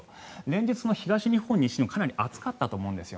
連日の東日本、西日本もかなり暑かったと思うんです。